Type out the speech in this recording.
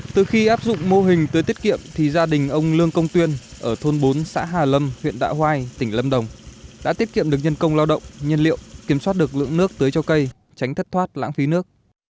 từ khi áp dụng mô hình tưới tiết kiệm thì gia đình ông lương công tuyên ở thôn bốn xã hà lâm huyện đạ hoai tỉnh lâm đồng đã tiết kiệm được nhân công lao động nhân liệu kiểm soát được lượng nước tưới cho cây tránh thất thoát lãng phí nước